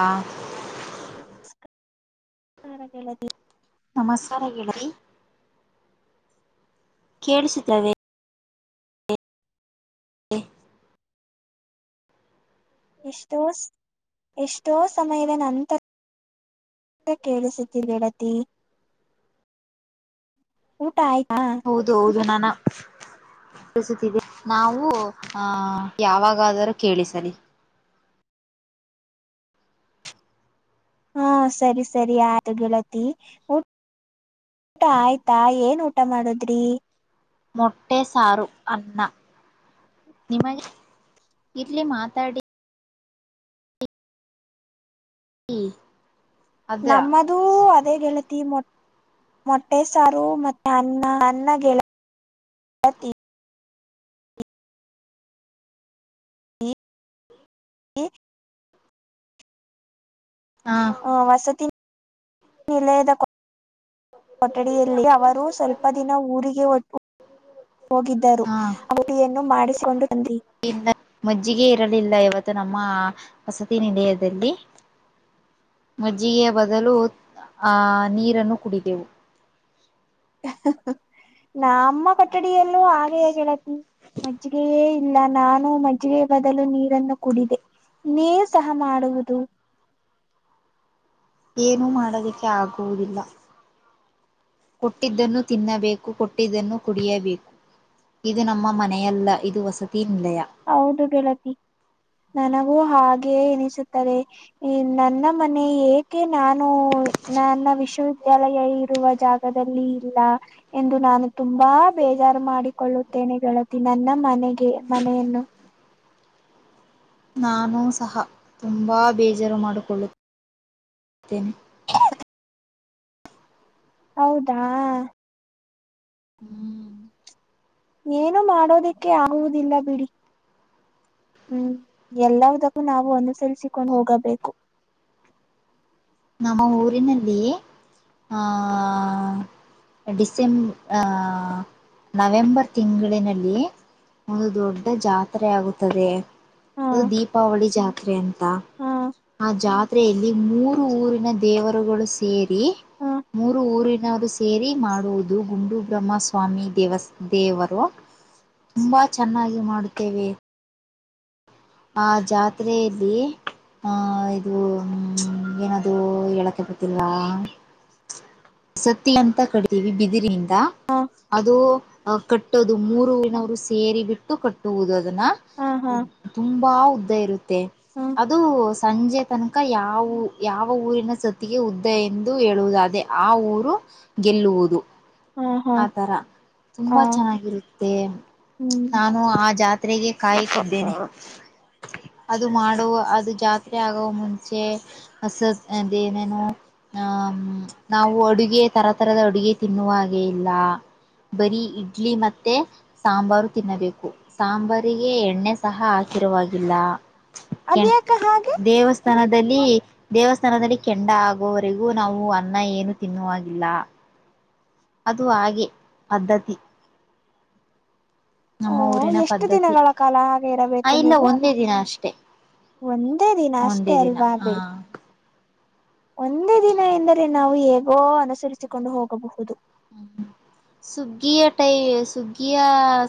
ಹಾ ನಲ್ಲ [unintelligible] ನಮಸ್ಕಾರ ಹೇಳ್ರರಿ ಕೇಳಿಸುತ್ತವೆ. ಎಷ್ಟೋ ಎಷ್ಟೋ ಸಮಯದ ನಂತರ. ಕೇಳಿಸತಿ ಗೆಳತಿ. ಊಟ ಆಯ್ತು. ಹೌದು ಹೌದು ನಾನ. ನಾವು ಆಹ ಯಾವಾಗಾದರೂ ಕೇಳಿಸಲಿ. ಹಾ ಸರಿ ಸರಿ ಆಯ್ತು ಗೆಳತಿ. ಊಟ ಆಯ್ತಾ ಏನ್ ಊಟ ಮಾಡುದ್ರಿ. ಮೊಟ್ಟೆ ಸಾರು ಅನ್ನ ನಿಮಗೆ ಇರ್ಲಿ ಮಾತಾಡಿ. ಈ. ನಮ್ಮ. ಅದೇ ಗೆತಿ ಮೊಟ್ಟೆ ಸಾರು ಮತ್ತೆ ಅನ್ನ ಗೆಳತಿ. ಹ್ಮ [unintelligible] ಹ ವಸತಿ ನಿಲಯದ. ಕೊಠಡಿಯಲ್ಲಿ ಅವರು ಸ್ವಲ್ಪ ದಿನ ಊರಿಗೆ ಒಟ್ಟು. ಹೋಗಿದ್ದರು ಹ ಅವರುನ್ನು ಮಾಡಿಸಿಕೊಂಡು ಬಂದಿ. ಮಜ್ಜಿಗೆ ಇರಲಿಲ್ಲ ಇವತ್ತು ನಮ್ಮ ವಸತಿ ನಿಲಯದಲ್ಲಿ. ಮಜ್ಜಿಗೆಯ ಬದಲು ಆಹ್ ನೀರನ್ನು ಕುಡಿದೆವು. ನ ಅಮ್ಮ ಕೊಠಡಿಯಲ್ಲೂ ಹಾಗೆ ಹೇಗತಿ. ಮಜ್ಜಿಗೆಯೇ ಇಲ್ಲ ನಾನು ಮಜ್ಜಿಗೆ ಬದಲು ನೀರನ್ನು ಕುಡಿದೆ. ನೀವು ಸಹ ಮಾಡುವುದು. ಏನುೂ ಮಾಡೋದಕ್ಕೆ ಆಗುವುದಿಲ್ಲ. ಕೊಟ್ಟಿದ್ದನ್ನು ತಿನ್ನಬೇಕು ಕೊಟ್ಟಿದ್ದನ್ನು ಕುಡಿಯಬೇಕು. ಇದು ನಮ್ಮ ಮನೆಯಲ್ಲ ಇದು ವಸತಿ ನಿಲಯ. ಹೌದು ಗೆಳತಿ ನನಗೂ ಹಾಗೆೇ ಎನಿಸುತ್ತದೆ. ಈ ನನ್ನ ಮನೆ ಏಕೆ ನಾನು ನನ್ನ ವಿಶ್ವವಿದ್ಯಾಲಯ ಇರುವ ಜಾಗ. ದಲ್ಲಿ ಇಲ್ಲ. ಎಂದು ನಾನು ತುಂಬಾ ಬೇಜಾರು ಮಾಡಿಕೊಳ್ಳುತ್ತೇನೆ ಗೆಳತಿ ನನ್ನ ಮನೆಗೆ ಮನೆಯನ್ನು. [unintelligible] ನಾನು ಸಹ ತುಂಬಾ ಬೇಜಾರು ಮಾಡಿಕೊಳ್ಳುತ್ತೇನೆ. ಹೌದಾ. ಹ್ಮ್ ಏನು ಮಾಡೋದಿಕ್ಕೆ ಆಗುದಿಲ್ಲ ಬಿಡಿ. ಹ್ಮ್ ಎಲ್ಲದಕ್ಕೂ ನಾವು ಅನುಸರಿಸಿಕೊಂಡು ಹೋಗಬೇಕು. ನಮ್ಮ ಊರಿನಲ್ಲಿ ಆ ಡಿಸೆ. ಆ ನವೆಂಬರ್ ತಿಂಗಳಿನಲ್ಲಿ. ಒಂದು ದೊಡ್ಡ ಜಾತ್ರೆ ಆಗುತ್ತದೆ ಹಾ ಅದು ದೀಪಾವಳಿ ಜಾತ್ರೆ ಅಂತ. ಹಾ ಆ ಜಾತ್ರೆಯಲ್ಲಿ ಮೂರು ಊರಿನ ದೇವರುಗಳು ಸೇರಿ. ಹಾ ಮೂರು ಊರಿನವರು ಸೇರಿ ಮಾಡುವುದು ಗುಂಡುಬ್ರಹ್ಮ ಸ್ವಾಮಿ ದೇವಸ್ ದೇವರು. ತುಂಬಾ ಚೆನ್ನಾಗಿ ಮಾಡುತ್ತೇವೆ. ಆ ಜಾತ್ರೆಯಲ್ಲಿ. ಹ ಇದುಮ ಏನಾದೂ ಹೇಳಕ್ಕೆ ಬತ್ತಿಲ್ಲ. ಸತಿ ಅಂತ ಕಡಿತೀವಿ ಬಿದಿರಿದ. ಹಾ ಅದು ಕಟ್ಟದು ಮೂರು ನವರು ಸೇರಿ ಬಿಟ್ಟು ಕಟ್ಟುವುದು ಅದನ್ನ. ಹಾ ಹಾ ದ ತುಂಬಾ ಉದ್ದ ಇರುತ್ತೆ ಹಾ ಅದು. ಸಂಜೆ ತನಕ ಯಾವ ಯಾವ ಊರಿನ ಸತಿಗೆ ಉದ್ದ ಎಂದು ಹೇಳುವುದಾದೇ ಆ ಊರು. ಗೆಲ್ಲುವುದು. ಹಾ ಹಾ ಆ ತರ ಹ ತುಂಬಾ ಚೆನ್ನಾಗಿರುತ್ತೆ ಹ್ಮ್ ನಾ ಉ ಆ ಜಾತ್ರೆಗೆ ಕಾಯುತ್ತಿದ್ದೇನೆ ಅದು ಮಾಡುವ ಅದು ಜಾತ್ರೆ ಆಗುವ ಮುಂಚೆ ಅಸಸ ಅಂದೇನೇನೋ ಹ ತ ನಾವು ಅಡುಗೆ ತರತರದ ಅಡುಗೆ ತಿನ್ನುವ ಹಾಗೆ ಇಲ್ಲ ಬರಿ ಇಡ್ಲಿ ಮತ್ತೆ ಸಾಂಬಾರು ತಿನ್ನಬೇಕು ಸಾಂಬಾರಿಗೆ ಎಣ್ಣೆ ಸಹ ಹಾಕಿರುವಾಗಿಲ್ಲ ಕೆ ಅದ್ಯಾಕ ಹಾಗೆ ದೇವಸ್ಥ ದೇಸ್ಥಾನದಲ್ಲಿ ದೇವಸ್ಥಾನದಲ್ಲಿ ಕೆಂಡ ಆಗುವವರೆಗೂ ನಾವು ಅನ್ನ ಏನು ತಿನ್ನುವಾಗಿಲ್ಲ ಅದು ಹಾಗೆ ಪದ್ಧತಿ ಓ ನಮ್ಮ ಊರಿನ ಎಷ್ಟು ಪದ್ಧತಿ ದಿನಗಳ ಕಾಲ ಹಾಗೆ ಆ ಇರಬೇಕು ಇಲ್ಲ ನೀವು ಒಂದೇ ದಿನ ಅಷ್ಟೆ ಒಂದೇ ದಿನ ಅಷ್ಟೇ ಒಂದೇ ದಿನ ಅಲ್ವಾ ಹಾ ಬಿಡಿ ಒಂದೇ ದಿನ ಎಂದರೆ ನಾವು ಹೇಗೋ ಅನುಸರಿಸಿಕೊಂಡು ಹೋಗಬಹುದು ಹ್ಮ ಸುಗ್ಗಿಯ ಟೈ ಸುಗ್ಗಿಯ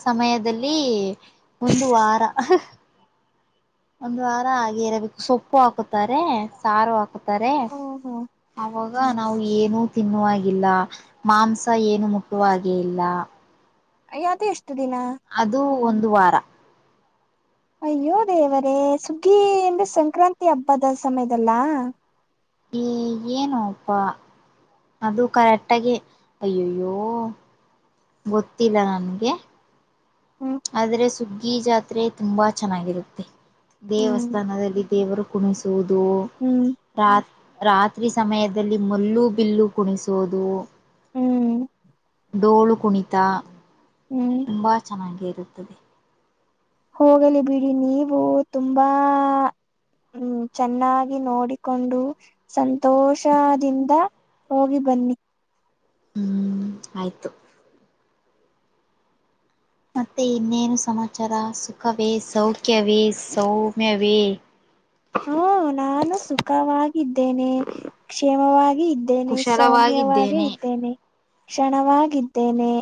ಸಮಯದಲ್ಲಿ ಒಂದು ವಾರ ಹಹ ಒಂದು ವಾರ ಹಾಗೆ ಇರಬೇಕು ಸೊಪ್ಪು ಹಾಕುತ್ತಾರೆ ಸಾರು ಹಾಕುತ್ತಾರೆ ಹ್ಮ್ ಹ್ಮ್ ಅವಾಗ ನಾವು ಏನು ತಿನ್ನುವಾಗಿಲ್ಲ ಮಾಂಸ ಏನು ಮುಟ್ಟುವ ಹಾಗೆ ಇಲ್ಲ ಅಯೋ ಅದು ಎಷ್ಟು ದಿನ ಅದು ಒಂದು ವಾರ ಅಯ್ಯೋ ದೇವರೇ ಸುಗ್ಗಿ ಅಂದ್ರ ಸಂಕ್ರಾಂತಿ ಹಬ್ಬದ ಸಮಯದಲ್ಲಾ ಏ ಏನು ಅಪ್ಪ ಅದು ಕರೆಕ್ಟಾಗಿ ಅಯ್ಯಯ್ಯೋ ಗೊತ್ತಿಲ್ಲ ನನ್ಗೆ ಹ್ಮ್ ಆದ್ರೆ ಸುಗ್ಗಿ ಜಾತ್ರೆ ತುಂಬಾ ಚೆನ್ನಾಗಿರುತ್ತೆ ಹ್ಮ್ ದೇವಸ್ಥಾನದಲ್ಲಿ ದೇವರು. ಕುಣಿಸೂದು. ಹ್ಮ್. ರಾತ್ ರಾತ್ರಿ ಸಮಯದಲ್ಲಿ ಮುಲ್ಲು ಬಿಲ್ಲು ಕುಣಿಸೋದು ಹ್ಮ್ ಡೋಳು ಕುಣಿತ ಹ್ಮ್ ತುಂಬಾ ಚೆನ್ನಾಗಿ ಇರುತ್ತದೆ. ಹೋಗಲಿ ಬಿಡಿ ನೀವು ತುಂಬಾ. ಹ್ಮ್ ಚೆನ್ನಾಗಿ ನೋಡಿಕೊಂಡು. ಸಂತೋಷದಿಂದ ಹೋಗಿ ಬನ್ನಿ ಹ್ಮ್ ಆಯ್ತು. ಮತ್ತೆ ಇನ್ನೇನು ಸಮಾಚಾರ ಸುಖವೇ ಸೌಖ್ಯವೇ ಸೌಮ್ಯವೇ. ಹ್ಮ ನಾನು ಸುಖವಾಗಿದ್ದೇನೆ ಕ್ಷೇಮವಾಗಿ ಇದ್ದೇನೆ ಸೌಮ್ಯವಾಗಿ ಕುಶಲವಾಗಿದ್ದೇನೆ ಇದ್ದೇನೆ. ಕ್ಷಣವಾಗಿದ್ದೇನೆ.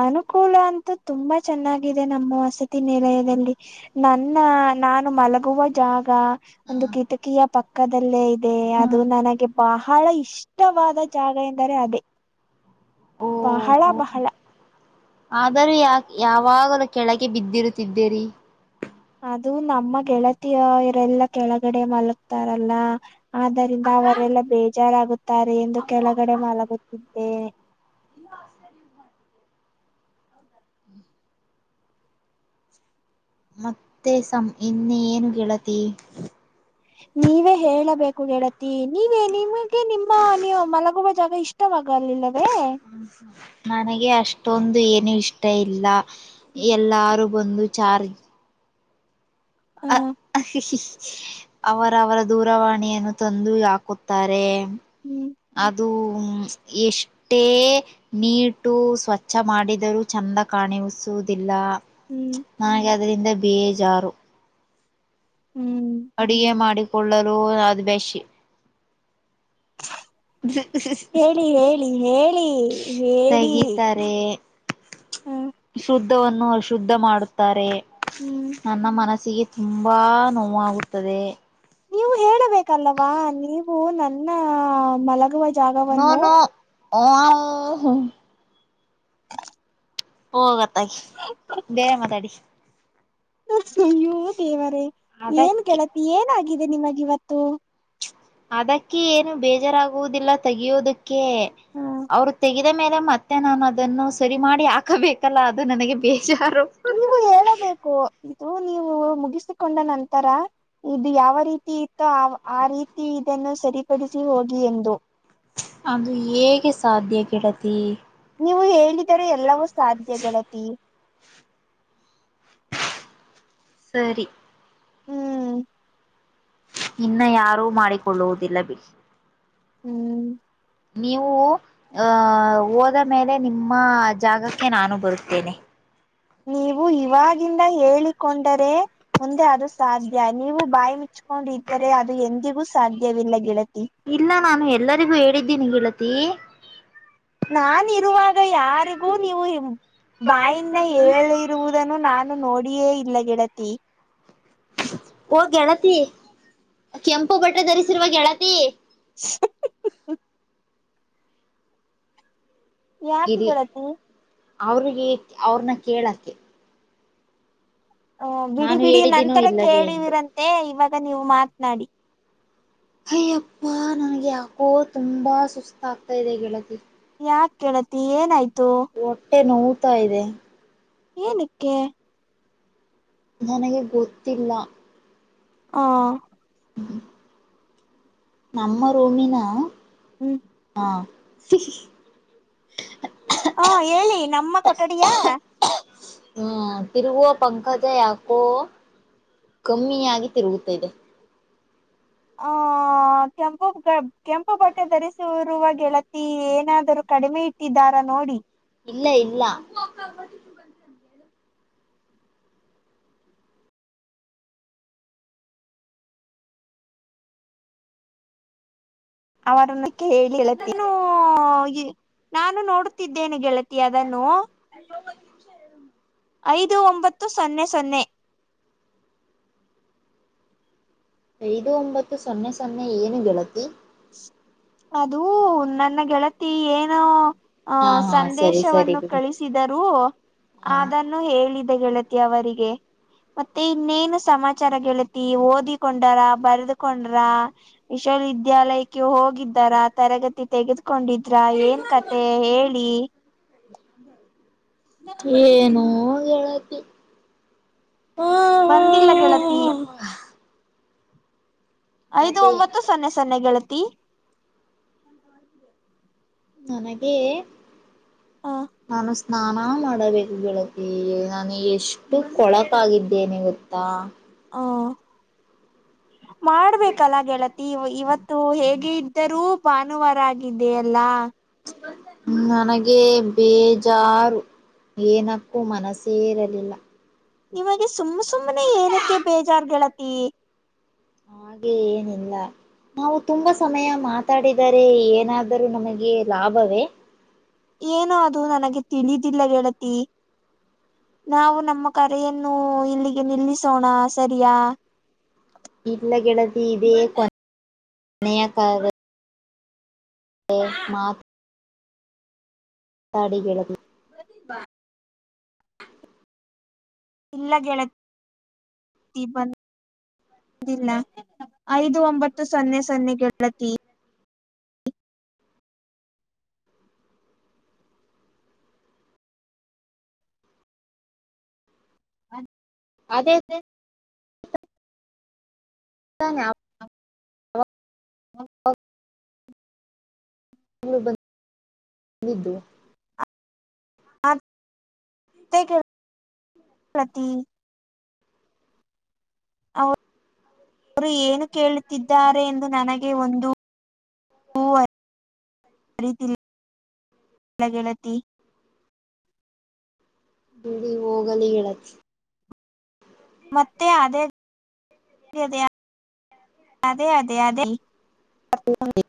ಅನುಕೂಲ ಅಂತೂ ತುಂಬಾ ಚೆನ್ನಾಗಿದೆ ನಮ್ಮ ವಸತಿ ನಿಲಯದಲ್ಲಿ ನನ್ನ ನಾನು ಮಲಗುವ ಜಾಗ ಒಂದು ಕಿಟಕಿಯ ಪಕ್ಕದಲ್ಲೇ ಹೇ ಹ್ಮ ಅದು ನನಗೆ ಬಹಳ ಇಷ್ಟವಾದ ಜಾಗ ಎಂದರೆ ಅದೇ. ಬಹಳ ಬಹಳ. ಆದರೆ ಯಾ ಯಾವಾಗಲೂ ಕೆಳಗೆ ಬಿದ್ದಿರುತ್ತಿದ್ದೀರಿ. ಅದು ನಮ್ಮ ಗೆಳತಿಯರೆಲ್ಲ ಕೆಳಗಡೆ ಮಲಗ್ತಾರಲ್ಲ ಆದ್ದರಿಂದ ಅವರೆಲ್ಲ ಬೇಜಾರಾಗುತ್ತಾರೆ ಎಂದು ಕೆಳಗಡೆ ಮಲಗುತ್ತಿದ್ದೆ. ಮತ್ತೆ ಸಮ ಇನ್ನ ಏನು ಗೆಳತಿ. ನೀವೇ ಹೇಳಬೇಕು ಗೆಳತಿ ನೀವೇ ನಿಮಗೆ ನಿಮ್ಮ ನೀವು ಮಲಗುವ ಜಾಗ ಇಷ್ಟ ಇಷ್ಟವಾಗಲಿಲ್ಲವೇ. ನನಗೆ ಅಷ್ಟೊಂದು ಏನು ಇಷ್ಟ ಇಲ್ಲ ಎಲ್ಲಾರು ಒಂದು ಚಾರ್ ಹ ಅವರ ಅವರ ದೂರವಾಣಿಯನ್ನು ತಂದು ಹಾಕುತ್ತಾರೆ. ಹ್ಮ್ ಅದು ಎಷ್ಟೇ.. ನೀಟು ಸ್ವಚ್ಛ ಮಾಡಿದರೂ ಚಂದ ಕಾಣಿಸುವುದಿಲ್ಲ. ಹ್ಮ್ ನನಗೆ ಅದರಿಂದ ಬೇಜಾರು. ಹ್ಮ್ ಅಡುಗೆ ಮಾಡಿಕೊಳ್ಳಲು ಅದ್ಬಷಿ ಹೇಳಿ ಹೇಳಿ ಹೇಳಿ ಹೇಳಿ ತಗಿತಾರೆ. ಹ ಶುದ್ಧವನ್ನು ಅಶುದ್ಧ ಮಾಡುತ್ತಾರೆ. ಹ್ಮ್ ನನ್ನ ಮನಸ್ಸಿಗೆ ತುಂಬ ನೋವಾಗುತ್ತದೆ. ನೀವು ಹೇಳಬೇಕಲ್ಲವಾ ನೀವು ನನ್ನ ಮಲಗುವ ನೋ ಜಾಗವನ್ನು ನೋ ಹ [inaudible] ಹೋಗತ್ತಾಗಿ. ಬೇರೆ ಮಾತಾಡಿ? ಅಯ್ಯೂ ದೇವರೇ ಏನ್ ಅದಕ್ಕೆ ಗೆಳತಿ ಏನಾಗಿದೆ ನಿಮಗ ಇವತ್ತು ಅದಕ್ಕೆ ಏನು ಬೇಜಾರಾಗುವುದಿಲ್ಲ ತೆೆಗೆಯೋದಕ್ಕೆ. ಹ ಅವ್ರು ತೆೆಗೆದ ಮೇಲೆ ಮತ್ತೆ ನಾನು ಅದನ್ನು ಸರಿ ಮಾಡಿ ಹಾಕಬೇಕಲ್ಲ ಅದು ನನಗೆ ಬೇಜಾರು ನೀವು ಹೇಳಬೇಕು ಇದು ನೀವು ಮುಗಿಸಿಕೊಂಡ ನಂತರ ಇದು ಯಾವ ರೀತಿ ಇತ್ತು ಆ ರೀತಿ ಇದನ್ನು ಸರಿಪಡಿಸಿ ಹೋಗಿ ಎಂದು ಅದು ಹೇಗೆ ಸಾಧ್ಯ ಗೆಳತಿ ನೀವು ಹೇಳಿದರೆ ಎಲ್ಲವೂ ಸಾಧ್ಯ ಗೆಳತಿ. ಸರಿ ಹ್ಮ್ ಇನ್ನ ಯಾರು ಮಾಡಿಕೊಳ್ಳುವುದಿಲ್ಲ. ಬಿಡಿ ಹ್ಮ್ ನೀವು ಆಹ ಹೋದ ಮೇಲೆ ನಿಮ್ಮ ಜಾಗಕ್ಕೆ ನಾನು ಬರುತ್ತೇನೆ. ನೀವು ಇವಾಗಿಂದ ಹೇಳಿಕೊಂಡರೆ ಮುಂದೆ ಅದು ಸಾಧ್ಯ ನೀವು ಬಾಯಿ ಮುಚ್ಕೊಂಡಿದ್ದರೆ ಅದು ಎಂದಿಗೂ ಸಾಧ್ಯವಿಲ್ಲ ಗೆಳತಿ. ಇಲ್ಲ ನಾನು ಎಲ್ಲರಿಗೂ ಹೇಳಿದ್ದೀನಿ ಗೆಳತಿ ನಾನ್ ಇರುವಾಗ ಯಾರಿಗೂ ನೀವು ಬಾಯಿಂದ ಹೇಳಿರುವುದನ್ನು ನಾನು ನೋಡಿಯೇ ಇಲ್ಲ ಗೆಳತಿ. ಓ ಗೆಳತಿ ಕೆಂಪು ಬಟ್ಟೆ ಧರಿಸಿರುವ ಗೆಳತಿ [inaudible] ಯಾಕೆ ಇರಿ ಗೆಳತಿ ಅವ್ರಿಗೆ ಅವ್ರನ್ನ ಕೇಳಕ್ಕೆ ಹಓ ಬಿಡಿ ನಾನು ಬಿಡಿ ಹೇಳಿದ್ದೀನೋ ನಂತರ ಇಲ್ಲವೇ ಎಂದು ಕೇಳಿವಿರಂತೆ ಇವಾಗ ನೀವು ಮಾತ್ನಾಡಿ. ಅಯ್ಯಪ್ಪ ನನಗೆ ಯಾಕೋ ತುಂಬಾ ಸುಸ್ತಾ ಅಗ್ತಾ ಇದೆ ಗೆಳತಿ. ಯಾಕ ಗೆಳತಿ ಏನಾಯ್ತು? ಹೊಟ್ಟೆ ನೋವತ್ ಇದೆ ಏನಕ್ಕೆ? ನನಗೆ ಗೊತ್ತಿಲ್ಲ. ಹಾ ಹ್ಮ ನಮ್ಮ ರೂಮಿನ. ಹ್ಮ್ ಹಾ ಹಾ ಹೇಳಿ ನಮ್ಮ ಕೊಠಡಿಯ. ಹ್ಮ ತಿರುಗುವ ಪಂಕಜ ಯಾವ ಹೋ ಕಮ್ಮಿಯಾಗಿ ತಿರುಗು ತಿದೆ ಆ ಕೆಂಪು ಕೆಂಪು ಬಟ್ಟೆ ಧರಿಸಿರುವಾಗ ಗೆಳತ್ ಏನಾದರೂ ಕಡಿಮೆ ಇಟ್ಟಿದ್ದಾರ ನೋಡಿ. ಇಲ್ಲ ಇಲ್ಲ? ಅವರನ್ನು ಕೇಳಿ [unintelligible] ಹೇಳತ್ತಿನೂ ನಾನು ನೋಡುತ್ತಿದ್ದೇನೆ ಗೆಳತಿ ಅದನ್ನು ಐದು ಒಂಬತ್ತು ಸೊನ್ನೆ ಸೊನ್ನೆ. ಐದು ಒಂಬತ್ತು ಸೊನ್ನೆ ಸೊನ್ನೆ ಏನು ಗೆಳತಿ. ಅದು ನನ್ನ ಗೆಳತಿ ಏನೋ.... ಆ ಹಾ ಹಾ ಸರಿ ಸರಿ ಸಂದೇಶವನ್ನು ಬಿಡಿ ಕಳಿಸಿದರೂ ಹಾ ಅದ್ಕ್ ಇನು ಹೇಳಿದೆ ಗೆಳತಿ ಅವರಿಗೆ ಮತ್ತೆ ಇನ್ನೇನು ಸಮಾಚಾರ ಗೆಳತಿ ಓದಿಕೊಂಡರ? ಬರ್ದಕೊಂಡ್ರ? ವಿಶ್ವವಿದ್ಯಾಲಯಕ್ ಕೆ ಹೋಗಿದ್ದಾರ ತರಗತಿ ತೆಗೆದುಕೊಂಡಿದ್ರ ಏನ್ ಕತೆ ಹೇಳಿ ಏನೋ ಗೆಳತಿ ಹಾ.. ಬಂದಿಲ್ಲ ಗೆಳತಿ? ಐದು ಮತ್ತೆ ಒಂಬತ್ತು ಸೊನ್ನೆ ಸೊನ್ನೆ ಗೆಳತಿ. ನನಗೆ ಹ ಅನ್ಸ್ ಸ್ನಾನ ಮಾಡಬೇಕು ಗೆಳತಿ ನಾನು ಎಷ್ಟು ಕೊಳಕಾಗಿದ್ದೇನೆ ಗೊತ್ತಾ? ಹ್ಮ ಮಾಡ್ಬೇಕಲ್ಲ ಗೆಳತಿ ಇವತ್ತು. ಹೇಗೆ ಇದ್ದರೂ ಭಾನುವಾರ ಆಗಿದೆಯಲ್ಲಾ. ನನಗೆ ಬೇಜಾರು.. ಏನಕ್ಕೂ ಮನಸ್ಸೇ ಇರಲಿಲ್ಲ. ನಿಮಗೆ ಸುಮ್ಮ್ ಸುಮ್ಮ್ನೆ ಏನಕ್ಕೆ ಬೇಜಾರ್ ಗೆಳತಿ. ಹಾಗೆ ಏನಿಲ್ಲ? ನಾವು ತುಂಬಾ ಸಮಯ ಮಾತಾಡಿದರೆ ಏನಾದರೂ ನಮಗೆ ಲಾಭವೇ? ಏನು ಅದು ನನಗೆ ತಿಳಿದಿಲ್ಲ ಗೆಳತಿ. ನಾವು ನಮ್ಮ ಕರೆಯನ್ನು ಇಲ್ಲಿಗೆ ನಿಲ್ಲಿಸೋಣ ಸರಿಯಾ. ಇಲ್ಲ ಗೆಳತಿ ಇದೇ ಕೋನೆಯ ಕಾಲ್ ಮತ್ [inaudible] ಮತಾಡಿ ಗೆಳತಿ ಇಲ್ಲ ಗೆಳತಿ ಬಿಲ್ಲ ಐದು ಒಂಬತ್ತು ಸೊನ್ನೆ ಸೊನ್ನೆ ಗೆಳತಿ ಅ [inaudible] ಅದೇ ಓಕೆ [inaudible] ಬ ಬಿದ್ದು [unintelligible] ಹಾ ಕೇಳತಿ [unintelligible] ಅವರು ಏನು ಕೇಳುತ್ತಿದ್ದಾರೆ ಎಂದು ನನಗೆ ಒಂದು ಅ ತಿಲ್ಲ [unintelligible] ಬಿಡಿ ಹೋಗಲಿ ಗೆಳತಿ ಮತ್ತೆ ಅದೇ ಅದೇ ಅದೇ ಅದೇ ಹ [unintelligible]